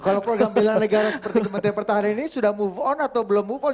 kalau program bela negara seperti kementerian pertahanan ini sudah move on atau belum move on